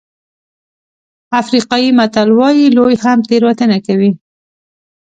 افریقایي متل وایي لوی هم تېروتنه کوي.